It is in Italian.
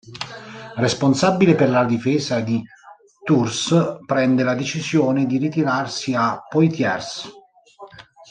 Responsabile per la difesa di Tours, prende la decisione di ritirarsi a Poitiers.